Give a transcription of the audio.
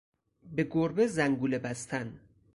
به گربه زنگوله بستن